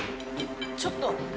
ちょっと！